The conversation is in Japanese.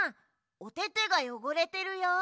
おててがよごれてるよ。